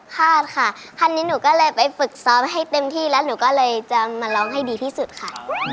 ค่ะคันนี้หนูก็เลยไปฝึกซ้อมให้เต็มที่แล้วหนูก็เลยจะมาร้องให้ดีที่สุดค่ะ